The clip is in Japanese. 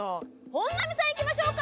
本並さんいきましょうか。